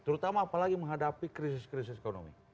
terutama apalagi menghadapi krisis krisis ekonomi